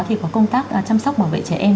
thì có công tác chăm sóc bảo vệ trẻ em